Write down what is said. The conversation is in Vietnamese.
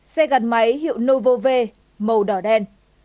xe gắn máy hiệu novo v màu đỏ đen